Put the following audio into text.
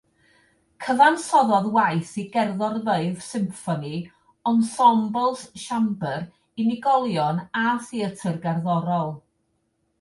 Cyfansoddodd waith i gerddorfeydd symffoni, ensembles siambr, unigolion a theatr gerddorol.